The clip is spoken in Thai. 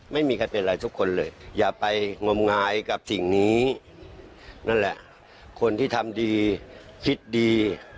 ไม่มีใครเป็นอะไรทุกคนเลยอย่าไปงมงายกับสิ่งนี้นั่นแหละคนที่ทำดีคิดดี